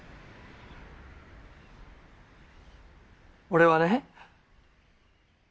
俺はね